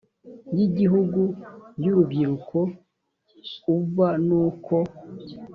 y igihugu y urubyiruko uva n uko